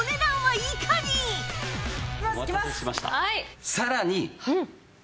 お待たせしました。